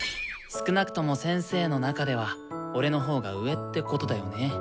少なくとも先生の中では俺のほうが上ってことだよね。